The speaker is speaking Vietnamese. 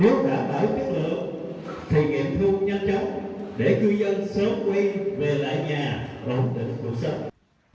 nếu đảm bảo chất lượng thì nghiệp thu nhanh chóng để cư dân sớm quay về lại nhà và hồng tình tụ sống